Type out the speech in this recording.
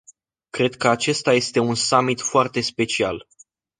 Cred că acesta este un summit foarte special.